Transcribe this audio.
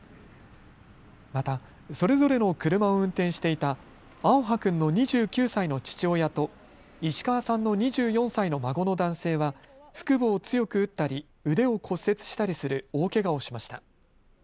またそれぞれの車を運転していた青遥君の２９歳の父親と石川さんの２４歳の孫の男性は腹部を強く打ったり、腕を骨折したりする大けがをしました。